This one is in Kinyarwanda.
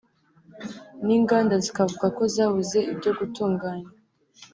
n’inganda zikavuga ko zabuze ibyo gutunganya